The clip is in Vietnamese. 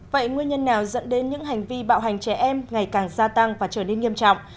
vậy nguyên nhân nào dẫn đến những hành vi bạo hành trẻ em ngày càng gia tăng và trở nên nghiêm trọng